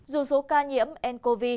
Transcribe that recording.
dù số ca nhiễm ncov